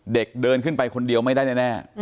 เด็กเดินขึ้นไปคนเดียวไม่ได้แน่